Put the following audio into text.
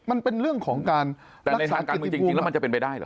มันเป็นเรื่องของรักษากิจภูมิแต่ในทางการมึงจริงแล้วมันจะเป็นไปได้หรือ